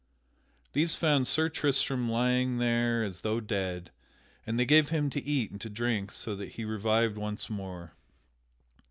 These found Sir Tristram lying there as though dead, and they gave him to eat and to drink so that he revived once more.